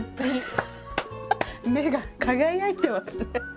目が輝いてますね。